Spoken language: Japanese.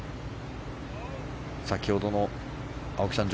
先ほどの青木さん